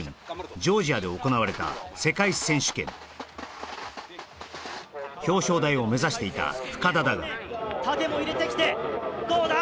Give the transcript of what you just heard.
ジョージアで行われた世界選手権表彰台を目指していた深田だが縦も入れてきてどうだ？